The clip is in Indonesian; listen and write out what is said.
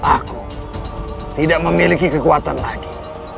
aku tidak memiliki kekuatan lagi